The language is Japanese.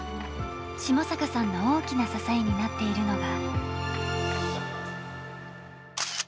下坂さんの大きな支えになっているのが。